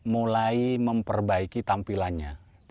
mulai memperbaiki tampilannya